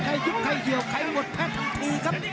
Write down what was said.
ใครหยุดใครเหี่ยวใครหมดแพ้ทั้งคู่ครับ